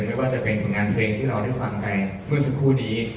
ไม่ว่าจะเป็นผลงานเพลงที่เราได้ฟังกันเมื่อสักครู่นี้